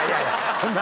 そんな。